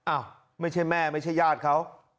อ้าวไม่ใช่แม่ไม่ใช่ญาติเขา